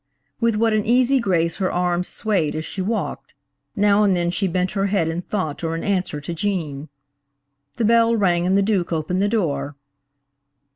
With what an easy grace her arms swayed as she walked! Now and then she bent her head in thought or in answer to Gene. The bell rang and the Duke opened the door.